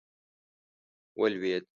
ولوېد.